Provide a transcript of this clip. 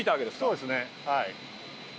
そうですねはい。